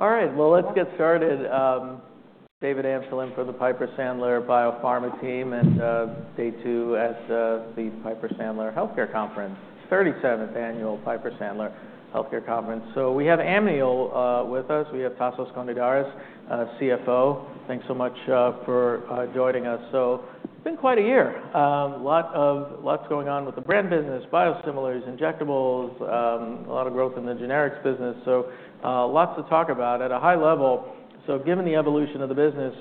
All right, well, let's get started. David Amsellem for the Piper Sandler Biopharma team, and day two at the Piper Sandler Healthcare Conference, 37th Annual Piper Sandler Healthcare Conference. We have Amneal with us. We have Tasos Konidaris, CFO. Thanks so much for joining us. It's been quite a year. A lot going on with the brand business, biosimilars, injectables, a lot of growth in the generics business. Lots to talk about at a high level. Given the evolution of the business,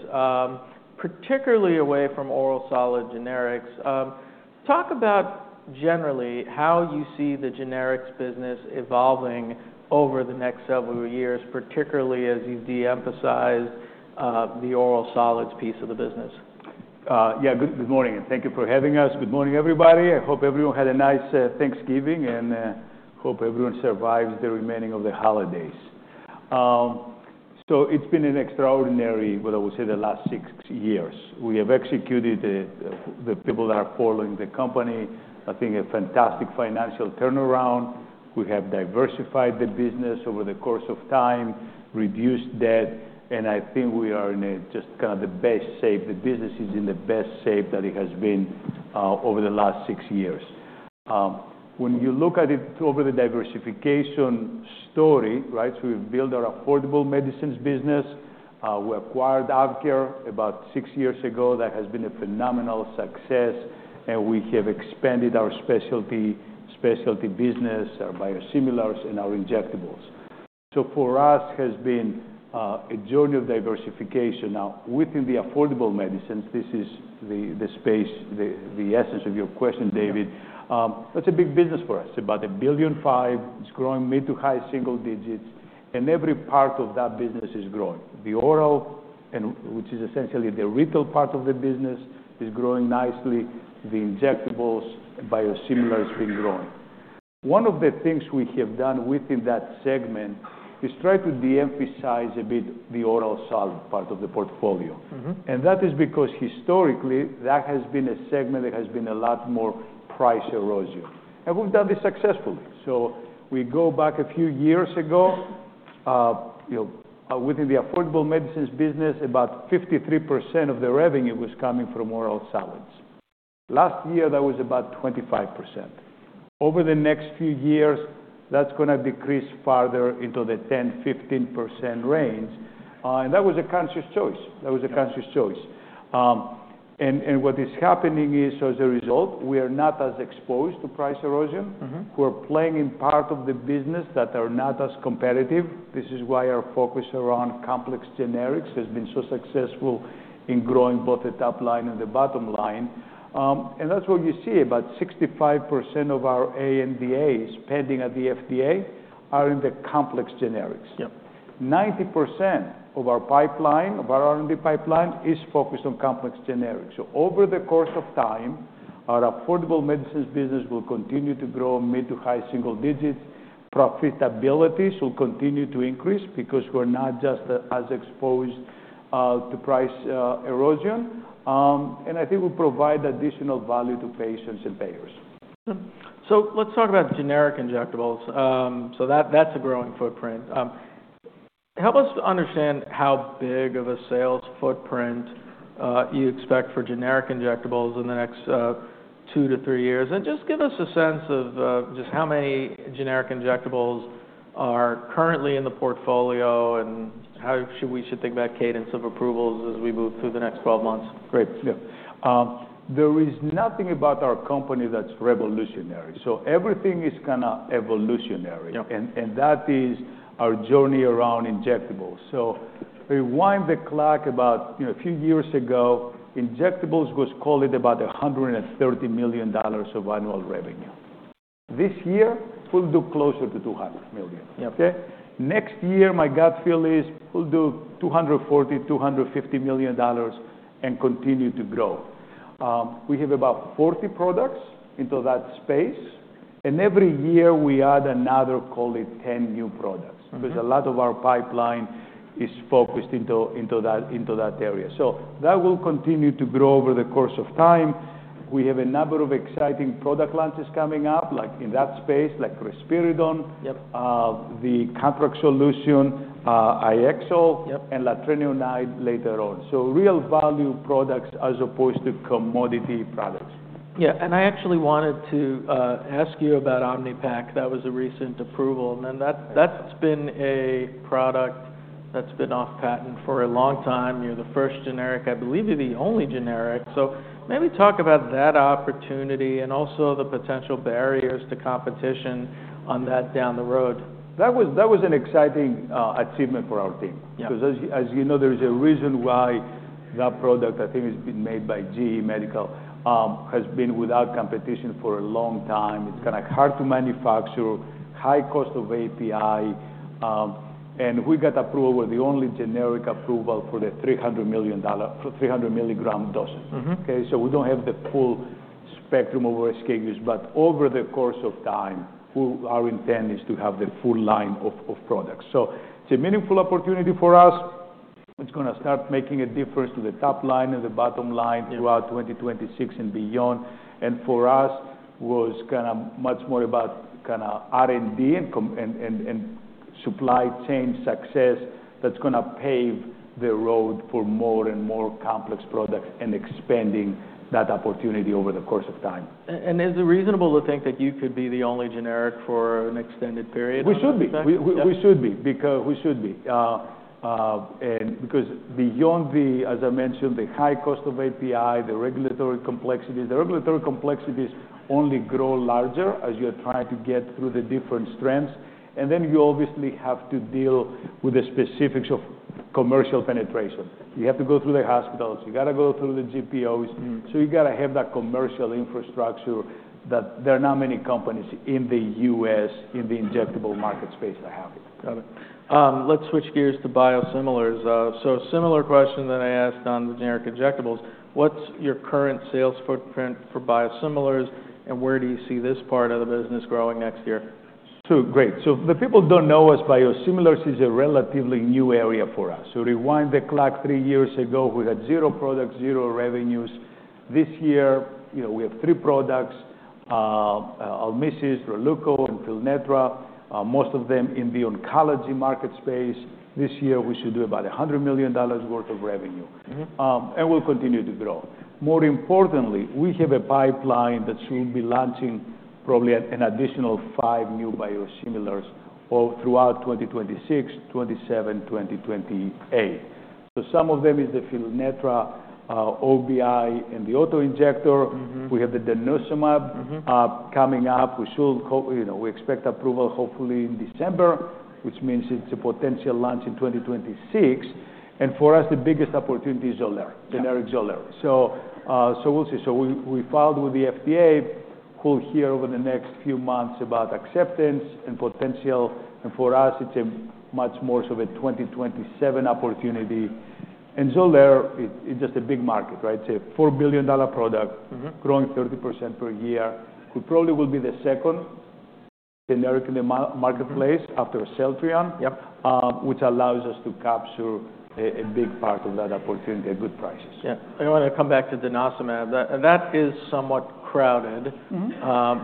particularly away from oral solid generics, talk about generally how you see the generics business evolving over the next several years, particularly as you've de-emphasized the oral solids piece of the business. Yeah, good morning and thank you for having us. Good morning, everybody. I hope everyone had a nice Thanksgiving and hope everyone survives the remaining of the holidays, so it's been an extraordinary, what I would say, the last six years. We have executed the people that are following the company. I think a fantastic financial turnaround. We have diversified the business over the course of time, reduced debt, and I think we are in just kind of the best shape. The business is in the best shape that it has been over the last six years. When you look at it over the diversification story, right, so we've built our affordable medicines business. We acquired AvKARE about six years ago. That has been a phenomenal success, and we have expanded our specialty business, our biosimilars, and our injectables, so for us, it has been a journey of diversification. Now, within the affordable medicines, this is the space, the essence of your question, David. That's a big business for us. About $1.5 billion. It's growing mid- to high-single digits. And every part of that business is growing. The oral, which is essentially the retail part of the business, is growing nicely. The injectables and biosimilars have been growing. One of the things we have done within that segment is try to de-emphasize a bit the oral solid part of the portfolio. And that is because historically, that has been a segment that has been a lot more price erosion. And we've done this successfully. So we go back a few years ago. Within the affordable medicines business, about 53% of the revenue was coming from oral solids. Last year, that was about 25%. Over the next few years, that's going to decrease farther into the 10%-15% range. And that was a conscious choice. That was a conscious choice. And what is happening is, as a result, we are not as exposed to price erosion. We're playing in part of the business that are not as competitive. This is why our focus around complex generics has been so successful in growing both the top line and the bottom line. And that's what you see. About 65% of our ANDAs pending at the FDA are in the complex generics. 90% of our pipeline, of our R&D pipeline, is focused on complex generics. So over the course of time, our affordable medicines business will continue to grow mid- to high-single digits. Profitability will continue to increase because we're not just as exposed to price erosion. I think we provide additional value to patients and payers. So let's talk about generic injectables. So that's a growing footprint. Help us understand how big of a sales footprint you expect for generic injectables in the next two to three years. And just give us a sense of just how many generic injectables are currently in the portfolio and how we should think about cadence of approvals as we move through the next 12 months. Great. Yeah. There is nothing about our company that's revolutionary. So everything is kind of evolutionary. And that is our journey around injectables. So rewind the clock about a few years ago, injectables was called about $130 million of annual revenue. This year, we'll do closer to $200 million. Okay? Next year, my gut feel is we'll do $240-$250 million and continue to grow. We have about 40 products into that space. And every year, we add another, call it 10 new products. Because a lot of our pipeline is focused into that area. So that will continue to grow over the course of time. We have a number of exciting product launches coming up in that space, like risperidone, the contract solution, IXO, and lanreotide later on. So real value products as opposed to commodity products. Yeah. And I actually wanted to ask you about Omnipaque. That was a recent approval. And then that's been a product that's been off patent for a long time. You're the first generic. I believe you're the only generic. So maybe talk about that opportunity and also the potential barriers to competition on that down the road. That was an exciting achievement for our team. Because as you know, there is a reason why that product, I think it's been made by GE HealthCare, has been without competition for a long time. It's kind of hard to manufacture, high cost of API. And we got approved with the only generic approval for the 300 milligram dosage. Okay? So we don't have the full spectrum of our schedules. But over the course of time, our intent is to have the full line of products. So it's a meaningful opportunity for us. It's going to start making a difference to the top line and the bottom line throughout 2026 and beyond. And for us, it was kind of much more about kind of R&D and supply chain success that's going to pave the road for more and more complex products and expanding that opportunity over the course of time. Is it reasonable to think that you could be the only generic for an extended period? We should be. Because beyond the, as I mentioned, the high cost of API, the regulatory complexities only grow larger as you're trying to get through the different strengths. And then you obviously have to deal with the specifics of commercial penetration. You have to go through the hospitals. You've got to go through the GPOs. So you've got to have that commercial infrastructure that there are not many companies in the U.S. in the injectable market space that have it. Got it. Let's switch gears to biosimilars. So a similar question that I asked on the generic injectables. What's your current sales footprint for biosimilars? And where do you see this part of the business growing next year? So great. So the people don't know us. Biosimilars is a relatively new area for us. So rewind the clock three years ago, we had zero products, zero revenues. This year, we have three products: Alymsys, Releuko, and Fylnetra, most of them in the oncology market space. This year, we should do about $100 million worth of revenue and we'll continue to grow. More importantly, we have a pipeline that should be launching probably an additional five new biosimilars throughout 2026, 2027, 2028. So some of them is the Fylnetra, OBI, and the auto injector. We have the denosumab coming up. We expect approval hopefully in December, which means it's a potential launch in 2026 and for us, the biggest opportunity is generic XOLAIR. So we'll see. So we filed with the FDA. We'll hear over the next few months about acceptance and potential. For us, it's much more of a 2027 opportunity. XOLAIR, it's just a big market, right? It's a $4 billion product, growing 30% per year. We probably will be the second generic in the marketplace after Celltrion, which allows us to capture a big part of that opportunity at good prices. Yeah. I want to come back to denosumab. That is somewhat crowded,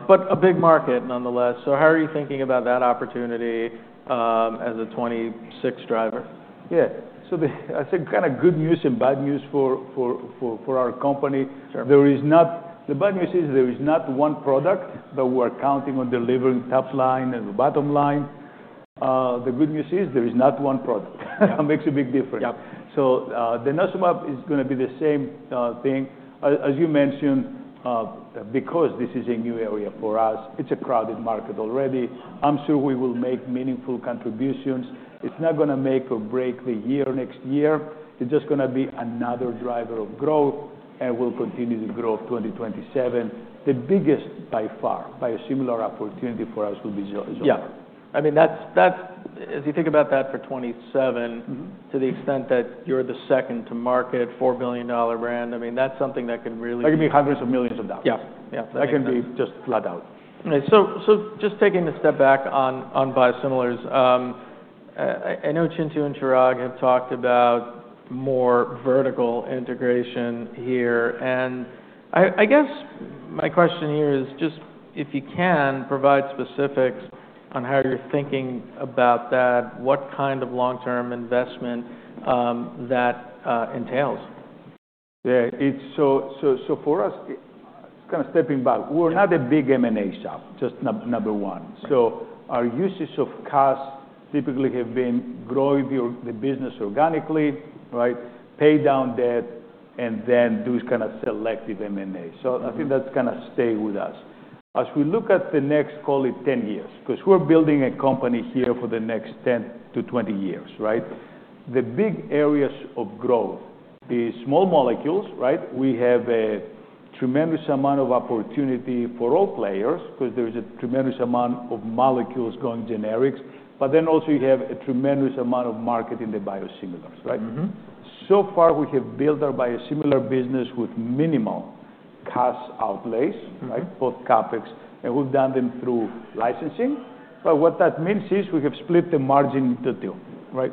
but a big market nonetheless. So how are you thinking about that opportunity as a '26 driver? Yeah. So I said kind of good news and bad news for our company. The bad news is there is not one product, but we're counting on delivering top line and bottom line. The good news is there is not one product. That makes a big difference. So denosumab is going to be the same thing. As you mentioned, because this is a new area for us, it's a crowded market already. I'm sure we will make meaningful contributions. It's not going to make or break the year next year. It's just going to be another driver of growth. And we'll continue to grow 2027. The biggest by far biosimilar opportunity for us will be XOLAIR. Yeah. I mean, as you think about that for 2027, to the extent that you're the second to market $4 billion brand, I mean, that's something that can really. That can be hundreds of millions of dollars. Yeah. Yeah. That can be just flat out. So just taking a step back on biosimilars, I know Chintu and Chirag have talked about more vertical integration here. And I guess my question here is just if you can provide specifics on how you're thinking about that, what kind of long-term investment that entails? Yeah. So for us, kind of stepping back, we're not a big M&A shop, just number one. So our uses of cost typically have been growing the business organically, right? Pay down debt, and then do kind of selective M&A. So I think that's going to stay with us. As we look at the next, call it 10 years, because we're building a company here for the next 10 to 20 years, right? The big areas of growth is small molecules, right? We have a tremendous amount of opportunity for all players because there is a tremendous amount of molecules going generics. But then also you have a tremendous amount of market in the biosimilars, right? So far, we have built our biosimilar business with minimal cost outlays, right? Both CapEx. And we've done them through licensing. But what that means is we have split the margin into two, right?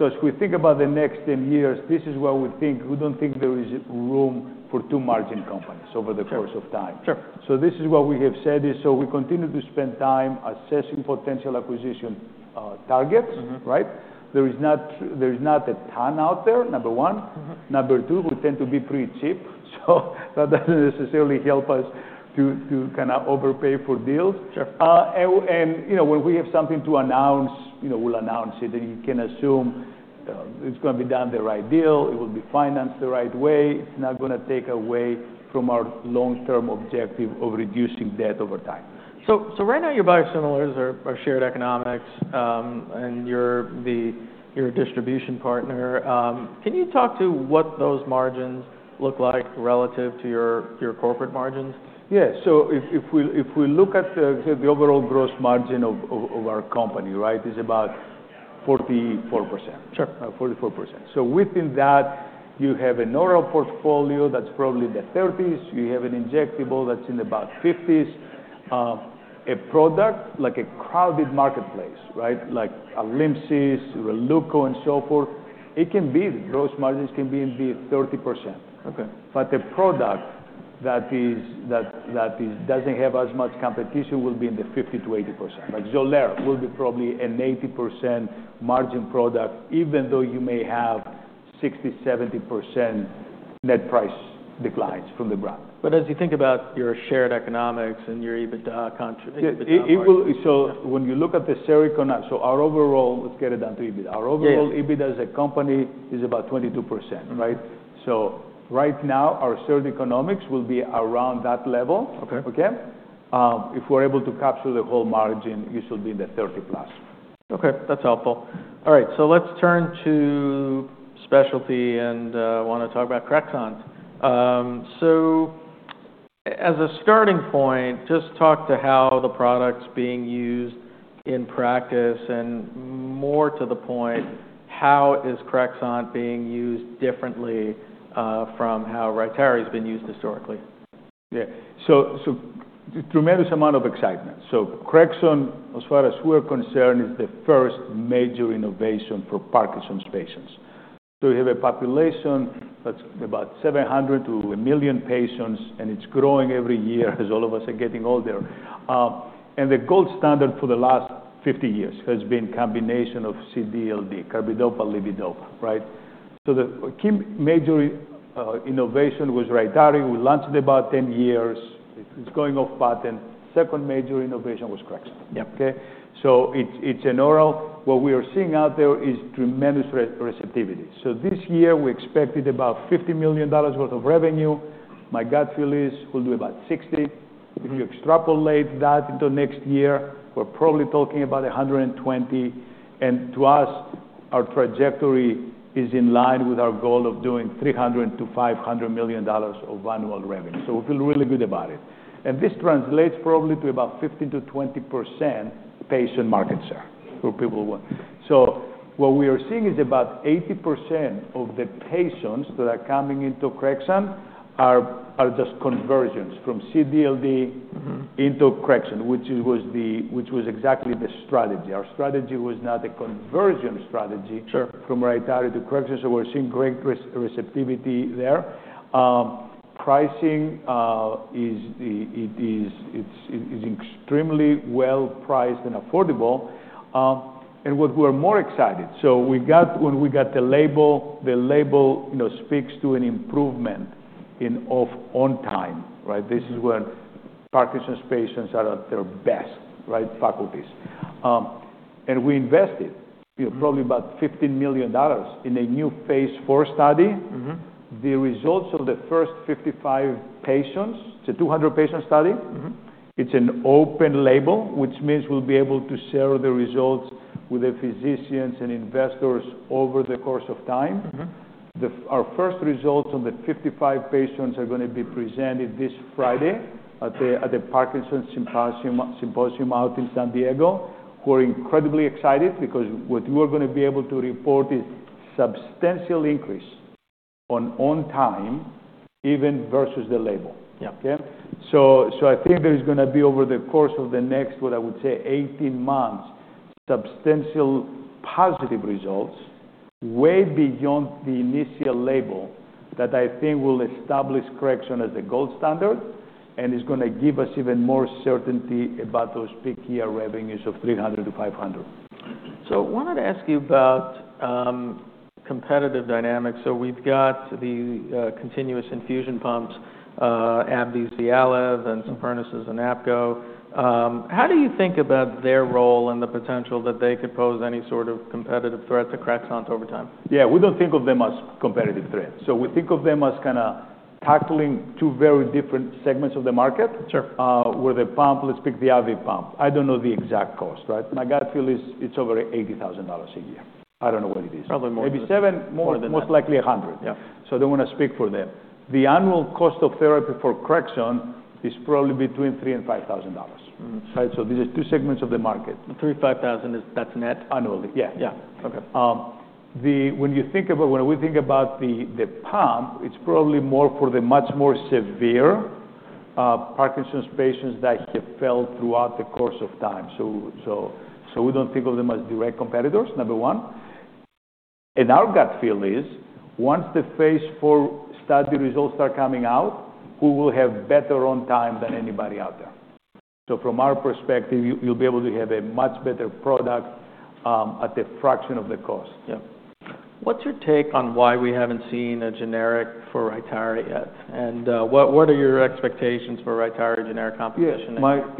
As we think about the next 10 years, this is what we think. We don't think there is room for two margin companies over the course of time. This is what we have said is. We continue to spend time assessing potential acquisition targets, right? There is not a ton out there, number one. Number two, we tend to be pretty cheap. That doesn't necessarily help us to kind of overpay for deals. When we have something to announce, we'll announce it. You can assume it's going to be done the right deal. It will be financed the right way. It's not going to take away from our long-term objective of reducing debt over time. So right now, your biosimilars are shared economics, and you're the distribution partner. Can you talk to what those margins look like relative to your corporate margins? Yeah. So if we look at the overall gross margin of our company, right, it's about 44%. So within that, you have an oral portfolio that's probably in the 30s. You have an injectable that's in about 50s. A product like a crowded marketplace, right? Like Alymsys, Releuko, and so forth, it can be the gross margins can be in the 30%. But the product that doesn't have as much competition will be in the 50%-80%. Like XOLAIR will be probably an 80% margin product, even though you may have 60%-70% net price declines from the brand. But as you think about your shared economics and your EBITDA contribution. When you look at the shared economics, our overall, let's get it down to EBITDA. Our overall EBITDA as a company is about 22%, right? So right now, our shared economics will be around that level. Okay? If we're able to capture the whole margin, you should be in the 30 plus. Okay. That's helpful. All right. So let's turn to specialty and want to talk about CREXONT. So as a starting point, just talk to how the product's being used in practice and more to the point, how is CREXONT being used differently from how RYTARY has been used historically? Yeah. So, tremendous amount of excitement. So, CREXONT, as far as we're concerned, is the first major innovation for Parkinson's patients. So, we have a population that's about 700 to a million patients, and it's growing every year as all of us are getting older. And the gold standard for the last 50 years has been a combination of CD/LD, carbidopa/levodopa, right? So, the key major innovation was Rytary. We launched it about 10 years. It's going off patent. Second major innovation was CREXONT. Okay? So, it's an oral. What we are seeing out there is tremendous receptivity. So, this year, we expected about $50 million worth of revenue. My gut feel is we'll do about 60. If you extrapolate that into next year, we're probably talking about 120. And to us, our trajectory is in line with our goal of doing $300-$500 million of annual revenue. So we feel really good about it. And this translates probably to about 15%-20% patient market share for people. So what we are seeing is about 80% of the patients that are coming into CREXONT are just conversions from CD/LD into CREXONT, which was exactly the strategy. Our strategy was not a conversion strategy from Rytary to CREXONT. So we're seeing great receptivity there. Pricing, it is extremely well priced and affordable. And what we're more excited, so when we got the label, the label speaks to an improvement on time, right? This is when Parkinson's patients are at their best, right? Faculties. And we invested probably about $15 million in a new phase four study. The results of the first 55 patients, it's a 200-patient study. It's an open label, which means we'll be able to share the results with the physicians and investors over the course of time. Our first results on the 55 patients are going to be presented this Friday at the Parkinson's Symposium out in San Diego. We're incredibly excited because what you are going to be able to report is a substantial increase on time, even versus the label. Okay? So I think there is going to be, over the course of the next, what I would say, 18 months, substantial positive results way beyond the initial label that I think will establish CREXONT as the gold standard and is going to give us even more certainty about those peak year revenues of 300-500. I wanted to ask you about competitive dynamics. We've got the continuous infusion pumps, AbbVie's VYALEV, and Supernus' APOKYN. How do you think about their role and the potential that they could pose any sort of competitive threat to CREXONT over time? Yeah. We don't think of them as competitive threats. So we think of them as kind of tackling two very different segments of the market where the pump, let's pick the AbbVie pump. I don't know the exact cost, right? My gut feel is it's over $80,000 a year. I don't know what it is. Probably more than that. Maybe seven, most likely a hundred. So I don't want to speak for them. The annual cost of therapy for CREXONT is probably between $3,000 and $5,000, right? So these are two segments of the market. $3,000-$5,000, that's net? Annually. Yeah. When we think about the pump, it's probably more for the much more severe Parkinson's patients that have fell throughout the course of time. So we don't think of them as direct competitors, number one. Our gut feel is once the phase four study results start coming out, we will have better on time than anybody out there. So from our perspective, you'll be able to have a much better product at a fraction of the cost. Yeah. What's your take on why we haven't seen a generic for Rytary yet? And what are your expectations for Rytary generic competition?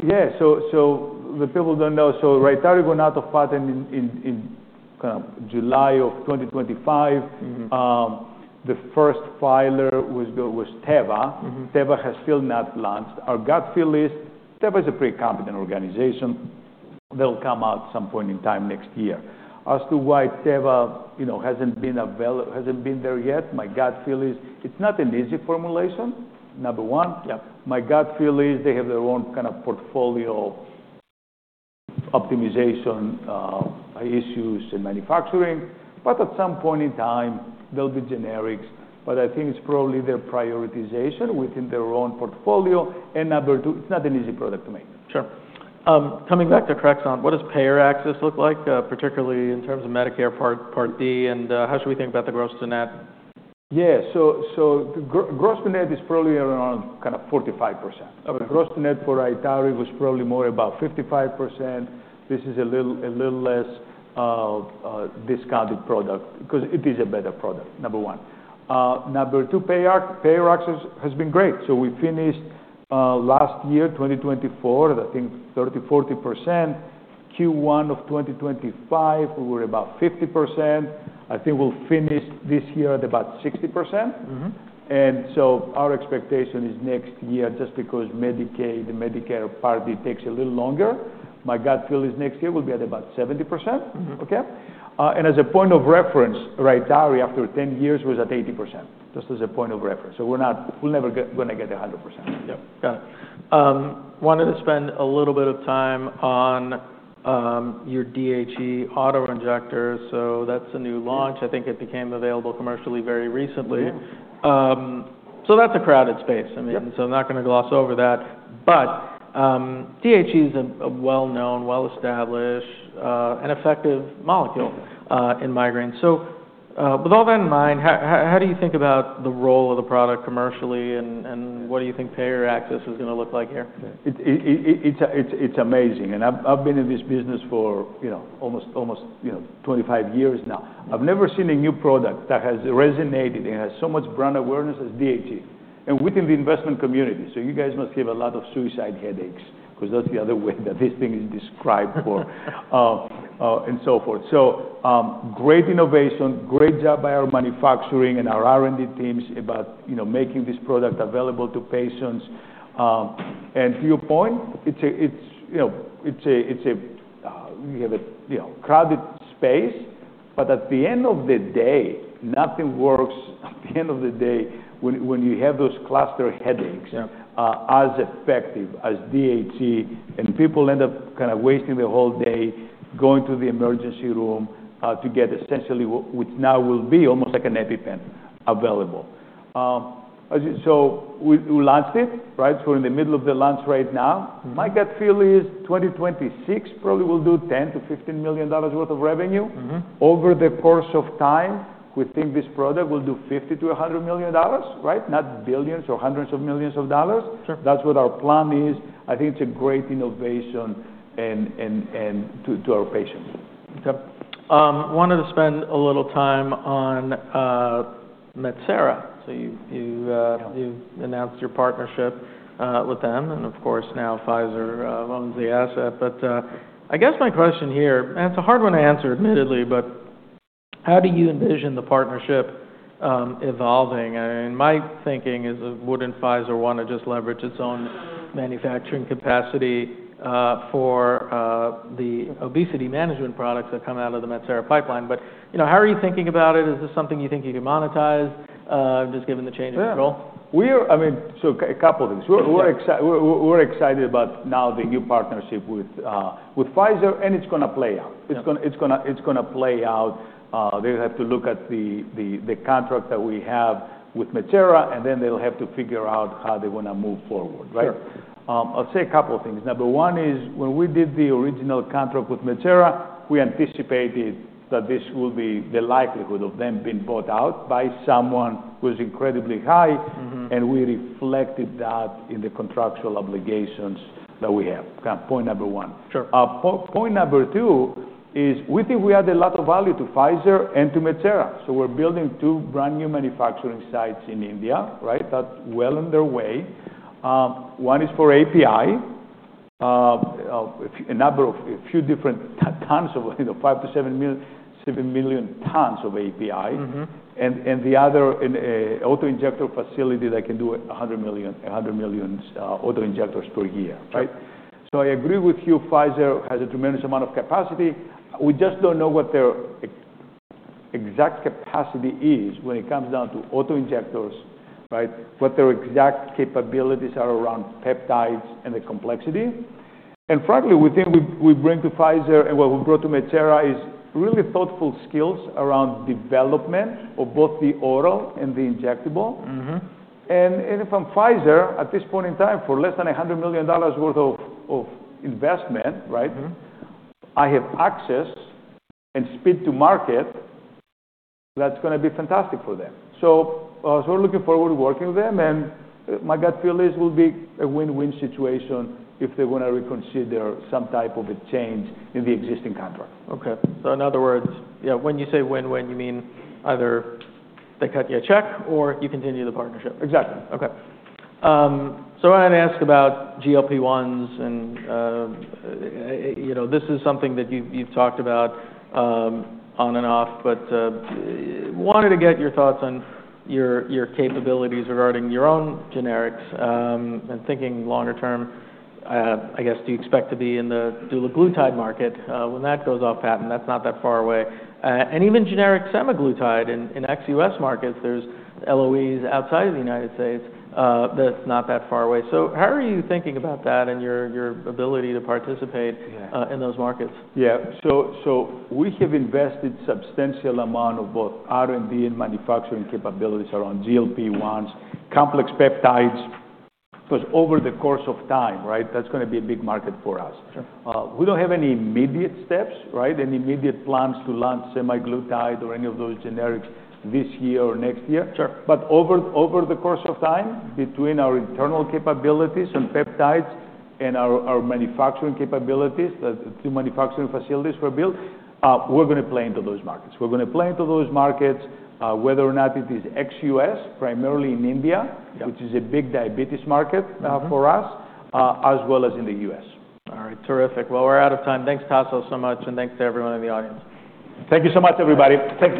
Yeah. So the people don't know. So RYTARY went out of patent in July of 2025. The first filer was Teva. Teva has still not launched. Our gut feel is Teva is a pretty competent organization. They'll come out at some point in time next year. As to why Teva hasn't been there yet, my gut feel is it's not an easy formulation, number one. My gut feel is they have their own kind of portfolio optimization issues in manufacturing. But at some point in time, they'll be generics. But I think it's probably their prioritization within their own portfolio. And number two, it's not an easy product to make. Sure. Coming back to CREXONT, what does payer access look like, particularly in terms of Medicare Part D? And how should we think about the gross to net? Yeah. So gross to net is probably around kind of 45%. Gross to net for Rytary was probably more about 55%. This is a little less discounted product because it is a better product, number one. Number two, payer access has been great. So we finished last year, 2024, I think 30-40%. Q1 of 2025, we were about 50%. I think we'll finish this year at about 60%. And so our expectation is next year, just because Medicaid, Medicare Part D takes a little longer, my gut feel is next year we'll be at about 70%. Okay? And as a point of reference, Rytary after 10 years was at 80%, just as a point of reference. So we're never going to get 100%. Yep. Got it. Wanted to spend a little bit of time on your DHE auto-injector. So that's a new launch. I think it became available commercially very recently. So that's a crowded space, I mean. So I'm not going to gloss over that. But DHE is a well-known, well-established, and effective molecule in migraines. So with all that in mind, how do you think about the role of the product commercially, and what do you think payer access is going to look like here? It's amazing. I've been in this business for almost 25 years now. I've never seen a new product that has resonated and has so much brand awareness as DHE and within the investment community. So you guys must have a lot of suicide headaches because that's the other way that this thing is described for and so forth. So great innovation, great job by our manufacturing and our R&D teams about making this product available to patients. And to your point, it's a we have a crowded space, but at the end of the day, nothing works at the end of the day when you have those cluster headaches as effective as DHE. And people end up kind of wasting their whole day going to the emergency room to get essentially what now will be almost like an EpiPen available. So we launched it, right? We're in the middle of the launch right now. My gut feel is 2026, probably we'll do $10-$15 million worth of revenue. Over the course of time, we think this product will do $50-$100 million, right? Not billions or hundreds of millions of dollars. That's what our plan is. I think it's a great innovation to our patients. Okay. Wanted to spend a little time on Metsera. So you announced your partnership with them. And of course, now Pfizer owns the asset. But I guess my question here, and it's a hard one to answer, admittedly, but how do you envision the partnership evolving? And my thinking is, wouldn't Pfizer want to just leverage its own manufacturing capacity for the obesity management products that come out of the Metsera pipeline? But how are you thinking about it? Is this something you think you can monetize, just given the change in control? I mean, so a couple of things. We're excited about now the new partnership with Pfizer, and it's going to play out. It's going to play out. They'll have to look at the contract that we have with Metsera, and then they'll have to figure out how they want to move forward, right? I'll say a couple of things. Number one is when we did the original contract with Metsera, we anticipated that this will be the likelihood of them being bought out by someone who is incredibly high, and we reflected that in the contractual obligations that we have. Kind of point number one. Point number two is we think we add a lot of value to Pfizer and to Metsera. So we're building two brand new manufacturing sites in India, right? That's well on their way. One is for API, a number of a few different tons of 5-7 million tons of API, and the other auto-injector facility that can do 100 million auto-injectors per year, right? So I agree with you, Pfizer has a tremendous amount of capacity. We just don't know what their exact capacity is when it comes down to auto-injectors, right? What their exact capabilities are around peptides and the complexity, and frankly, we think we bring to Pfizer and what we brought to Metsera is really thoughtful skills around development of both the oral and the injectable. And if I'm Pfizer at this point in time for less than $100 million worth of investment, right, I have access and speed to market, that's going to be fantastic for them. So we're looking forward to working with them. My gut feel is we'll be a win-win situation if they're going to reconsider some type of a change in the existing contract. Okay, so in other words, yeah, when you say win-win, you mean either they cut you a check or you continue the partnership. Exactly. Okay. So I wanted to ask about GLP-1s. And this is something that you've talked about on and off, but wanted to get your thoughts on your capabilities regarding your own generics and thinking longer term. I guess do you expect to be in the dulaglutide market when that goes off patent? That's not that far away. And even generic semaglutide in ex-US markets, there's LOEs outside of the United States that's not that far away. So how are you thinking about that and your ability to participate in those markets? Yeah. So we have invested a substantial amount of both R&D and manufacturing capabilities around GLP-1s, complex peptides because over the course of time, right, that's going to be a big market for us. We don't have any immediate steps, right, any immediate plans to launch semaglutide or any of those generics this year or next year. But over the course of time, between our internal capabilities and peptides and our manufacturing capabilities, the two manufacturing facilities we've built, we're going to play into those markets. We're going to play into those markets, whether or not it is ex-US, primarily in India, which is a big diabetes market for us, as well as in the U.S. All right. Terrific. Well, we're out of time. Thanks, Tasos, so much. And thanks to everyone in the audience. Thank you so much, everybody. Thank you.